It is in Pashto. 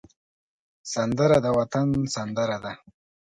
سندره د وطن سندره ده